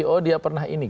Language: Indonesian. oh dia pernah ini